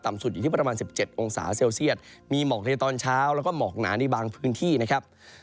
สุดอยู่ที่ประมาณ๑๗องศาเซลเซียตมีหมอกในตอนเช้าแล้วก็หมอกหนาในบางพื้นที่นะครับ